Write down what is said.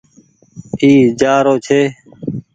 اي جآرو ڇي۔